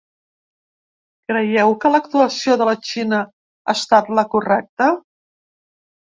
Creieu que l’actuació de la Xina ha estat la correcta?